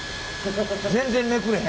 全然めくれへん。